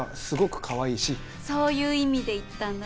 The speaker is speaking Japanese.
そういう意味で言ったんだ？